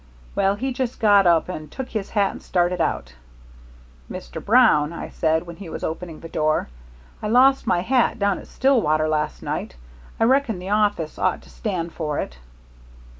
Well, he just got up and took his hat and started out. 'Mr. Brown,' I said, when he was opening the door, 'I lost my hat down at Stillwater last night. I reckon the office ought to stand for it.'